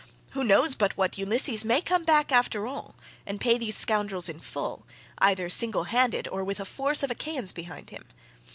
Who knows but what Ulysses may come back after all, and pay these scoundrels in full, either single handed or with a force of Achaeans behind him?